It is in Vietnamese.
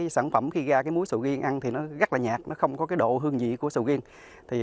sản phẩm khi ra muối sầu riêng ăn rất nhạt không có độ hương vị của sầu riêng